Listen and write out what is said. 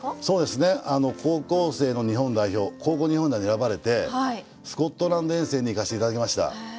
そうですね高校生の日本代表高校日本代表に選ばれてスコットランド遠征に行かせて頂きました。